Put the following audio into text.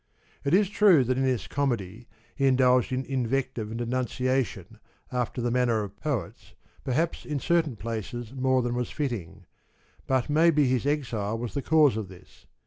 It is true that in this Comedy he indulged in invective and denunciation after the manner of poets, perhaps in certain places more than was fitting; but maybe his exile was the cause of this.